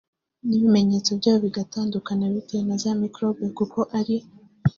n’ibimenyeto byayo bigatandukana bitewe na za microbe kuko hari